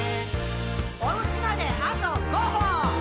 「おうちまであと５歩！」